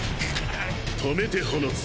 溜めて放つ。